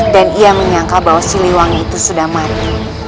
dan ia menyangka bahwa siliwangi itu sudah mati